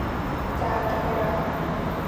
จ๋า จักราช